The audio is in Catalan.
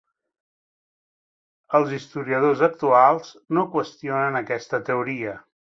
Els historiadors actuals no qüestionen aquesta teoria.